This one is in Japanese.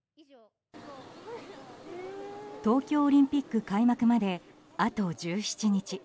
東京オリンピック開幕まであと１７日。